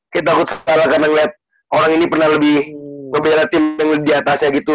kayak takut salah kadang ngeliat orang ini pernah lebih membelah team yang lebih diatas ya gitu